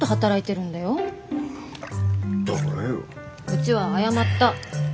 うちは謝った。